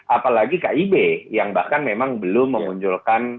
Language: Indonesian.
apalagi kib yang bahkan memang belum mengunjulkan nama kpi